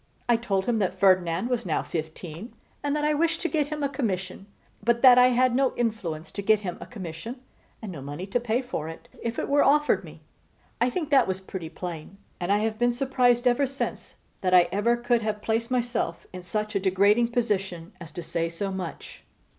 I told him that Ferdinand was now fifteen, and that I wished to get him a commission; but that I had no influence to get him a commission, and no money to pay for it if it were offered me. I think that was pretty plain; and I have been surprised ever since that I ever could have placed myself in such a degrading position as to say so much.